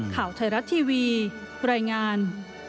ข่าวไทยรัฐทีวีรายงาน